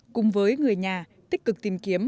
cùng với người nhà tích cực tìm kiếm